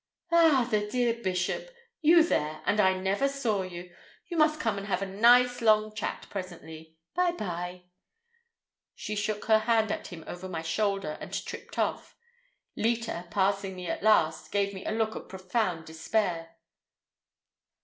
"Ah, the dear bishop! You there, and I never saw you! You must come and have a nice long chat presently. By by—!" She shook her fan at him over my shoulder and tripped off. Leta, passing me last, gave me a look of profound despair.